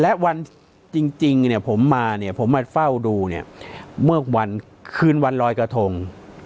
และวันจริงผมมาเฝ้าดูเนี่ยเมื่อวันคืนวันรอยกระทง